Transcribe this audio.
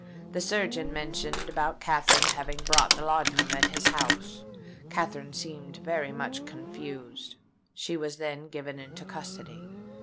The surgeon mentioned about Katherine having bought the laudanum at his house. Katherine seemed very much confused. She was then given into custody."